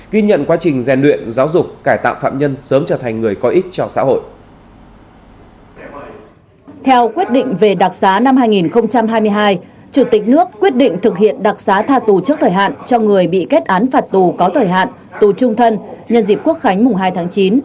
theo quyết định về đặc xá năm hai nghìn hai mươi hai chủ tịch nước quyết định thực hiện đặc xá tha tù trước thời hạn cho người bị kết án phạt tù có thời hạn tù trung thân nhân dịp quốc khánh mùng hai tháng chín